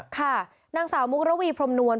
ค่ะนางสาวมุกระวีพรมนวล